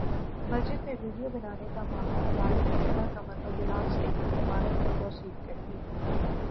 مسجد میں ویڈیو بنانے کا معاملہ عدالت نے صبا قمر اور بلال سعید کی ضمانت کی توثیق کردی